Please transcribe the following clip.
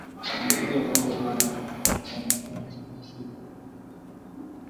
Maambukizi ya ugonjwa huu yanatokana na kugusana kwa wanyama walioathirika na wazima kiafya Wanyama